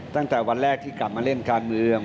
ตั้งแต่วันแรกที่กลับมาเล่นการเมือง